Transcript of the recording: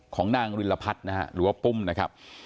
ของนางรินรพัฒน์นะฮะหรือว่าปุ้มนะครับ